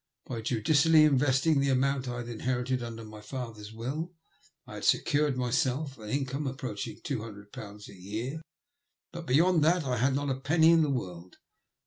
By judiciously investing the amount I had inherited under my father's will I had secured to myself an in come approaching two hundred pounds a year, but beyond that I had not a penny in the world.